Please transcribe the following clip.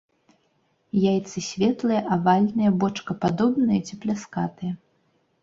Яйцы светлыя, авальныя, бочкападобныя ці пляскатыя.